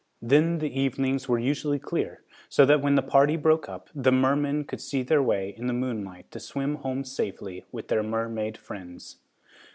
Then the evenings were usually clear, so that when the party broke up, the mermen could see their way in the moonlight to swim home safely with their mermaid friends.